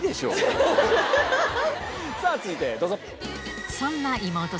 さぁ続いてどうぞ。